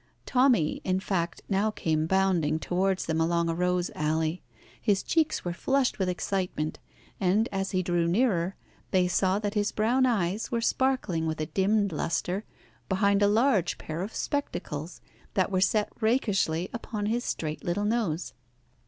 Tommy, in fact, now came bounding towards them along a rose alley. His cheeks were flushed with excitement, and, as he drew nearer, they saw that his brown eyes were sparkling with a dimmed lustre behind a large pair of spectacles, that were set rakishly upon his straight little nose.